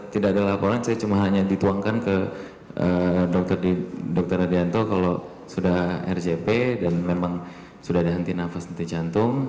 tidak ada laporan saya cuma hanya dituangkan ke dokter adianto kalau sudah rjp dan memang sudah ada henti nafas detik jantung